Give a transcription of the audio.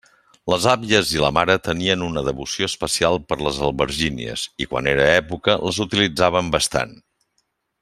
Les àvies i la mare tenien una devoció especial per les albergínies i, quan era època, les utilitzaven bastant.